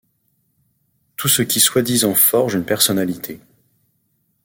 Tout ce qui soi-disant forge une personnalité. ..